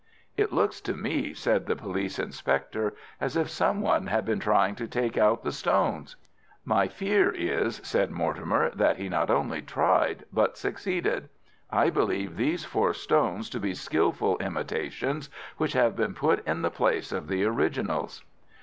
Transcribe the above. "It looks to me," said the police inspector, "as if some one had been trying to take out the stones." "My fear is," said Mortimer, "that he not only tried, but succeeded. I believe these four stones to be skilful imitations which have been put in the place of the originals."